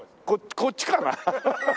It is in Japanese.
こっちかな？